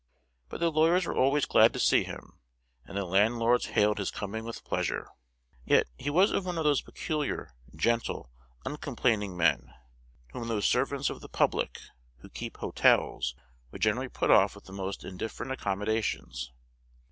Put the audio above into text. But the lawyers were always glad to see him, and the landlords hailed his coming with pleasure. Yet he was one of those peculiar, gentle, uncomplaining men, whom those servants of the public who keep "hotels" would generally put off with the most indifferent accommodations.